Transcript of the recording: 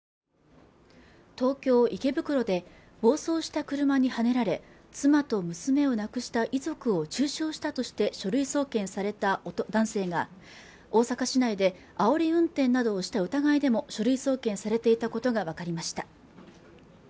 東京・池袋で暴走した車にはねられ妻と娘を亡くした遺族を中傷したとして書類送検された男性が大阪市内であおり運転などをした疑いでも書類送検されていたことが分かりました